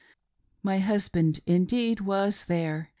My husband, indeed, was .there.